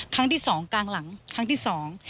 ครั้งที่สองกลางหลังครั้งที่สอง